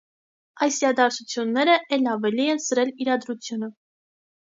Այս իրադարձությունները էլ ավելի են սրել իրադրությունը։